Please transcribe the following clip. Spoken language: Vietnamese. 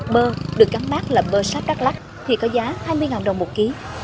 bơ được gắn mát là bơ sáp đắk lắc thì có giá hai mươi đồng một ký